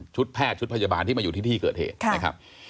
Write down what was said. แพทย์ชุดพยาบาลที่มาอยู่ที่ที่เกิดเหตุนะครับ